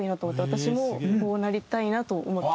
私もこうなりたいなと思って。